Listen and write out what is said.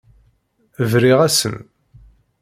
Briɣ-asen.